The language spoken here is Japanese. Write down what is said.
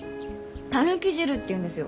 狸汁っていうんですよ。